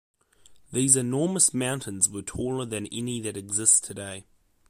These enormous mountains were taller than any that exist today.